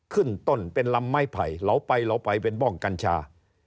ขึ้นต้นเป็นลำไม้ไผ่เหลาไปเหลาไปเป็นบ้องกัญชา